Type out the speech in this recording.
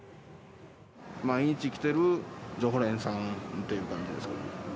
毎日来てる常連さんという感じですかね。